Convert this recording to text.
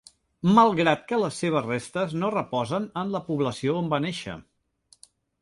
Malgrat que les seves restes no reposen en la població on va néixer.